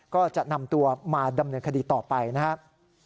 ก็จะนำตัวมาดำเนินคดีต่อไปนะครับ